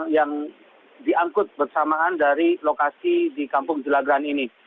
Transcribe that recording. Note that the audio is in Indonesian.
yang diangkut bersamaan dari lokasi di kampung jelagran ini